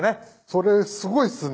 それすごいっすね。